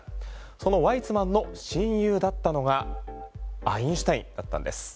そのワイツマンの親友だったのがアインシュタインだったんです。